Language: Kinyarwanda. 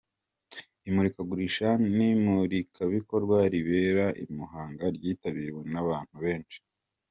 Imurikagurisha n’imurikabikorwa ribera i Muhang ryitabiriwe n’abantu benshi.